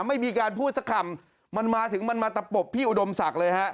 ไม่มีการพูดสักคำมันมาถึงมันมาตะปบพี่อุดมศักดิ์เลยฮะ